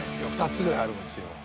２つぐらいあるんすよ。